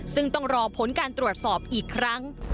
ซึ่งต้องรอผลการตรวจสอบอีกครั้ง